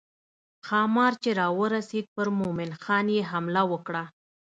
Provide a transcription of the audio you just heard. ښامار چې راورسېد پر مومن خان یې حمله وکړه.